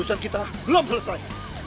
urusan kita belum selesai